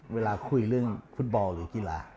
เวลาคุยเรื่องฟุตบอลหรือกีฬา